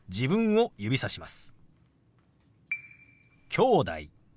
「きょうだい」。